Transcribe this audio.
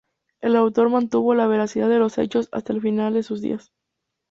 El autor mantuvo la veracidad de los hechos hasta el final de sus días.